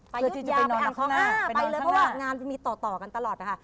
ไปยุดยาวไปอ่างท้องห้าไปเลยเพราะว่างานมีต่อกันตลอด